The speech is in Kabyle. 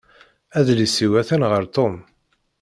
Adlis-iw atan ɣer Tom.